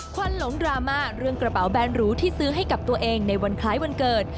ควันหลงดราม่าเรื่องกระเป๋าแบนหรูที่ซื้อให้กับตัวเองในวันคล้ายวันเกิด